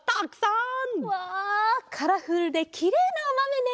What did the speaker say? うわカラフルできれいなおまめね。